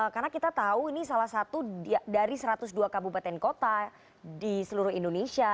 karena kita tahu ini salah satu dari satu ratus dua kabupaten kota di seluruh indonesia